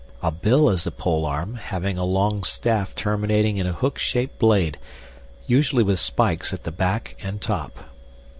(A bill is a polearm, having a long staff terminating in a hook shaped blade, usually with spikes at the back and top.)